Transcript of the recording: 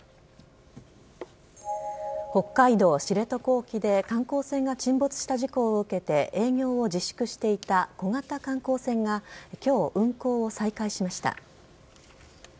北海道知床沖で観光船が沈没した事故を受けて営業を自粛していた小型観光船が今日、運航を再開しました。